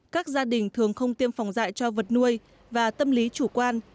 các gia đình thường không tiêm phòng dạy cho vật nuôi và tâm lý chủ quan